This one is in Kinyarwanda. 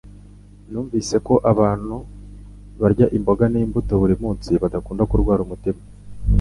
Numvise ko abantu barya imboga n'imbuto buri munsi badakunda kurwara umutima